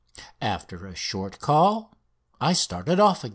After a short call I started off again.